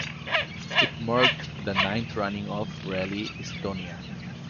It marked the ninth running of Rally Estonia.